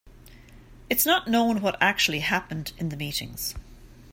It's not known what actually happened in the meetings.